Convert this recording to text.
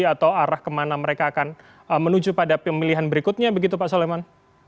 atau arah kemana mereka akan menuju pada pemilihan berikutnya begitu pak soleman